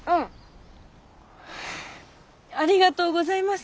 ありがとうございます。